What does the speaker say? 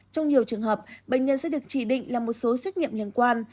trong nhiều trường hợp bệnh nhân sẽ được chỉ định là một số xét nghiệm liên quan